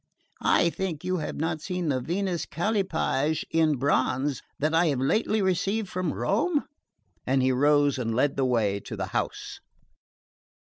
I think you have not seen the Venus Callipyge in bronze that I have lately received from Rome?" And he rose and led the way to the house.